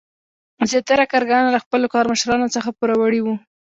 زیاتره کارګران له خپلو کارمشرانو څخه پوروړي وو.